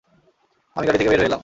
আমি গাড়ি থেকে বের হয়ে গেলাম।